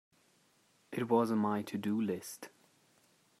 It was on my to-do list.